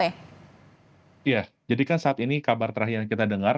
iya jadi kan saat ini kabar terakhir yang kita dengar